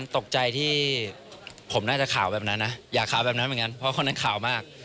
ตกใจที่ผมน่าจะข่าวแบบนั้นนะอย่าข่าวแบบนั้นเหมือนกันเพราะคนนั้นขาวมาก